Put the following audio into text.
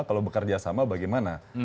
kalau bekerjasama bagaimana